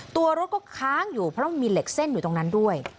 ตัวรถก็ค้างอยู่เพราะมันมีเหล็กเส้นอยู่ตรงนั้นด้วย